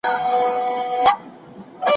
د څېړنې پایلې خلکو ته د معلوماتو سرچینه ده.